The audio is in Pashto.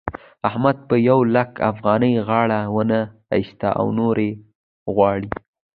احمد په يو لک افغانۍ غاړه و نه اېسته او نورې غواړي.